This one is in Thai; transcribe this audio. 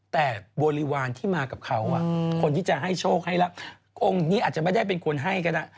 แต่บริวารที่มากับเขาคนที่จะให้โชคให้รักองค์นี้อาจจะไม่ได้เป็นคนให้ก็ได้